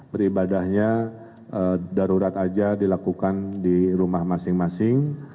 beribadahnya darurat aja dilakukan di rumah masing masing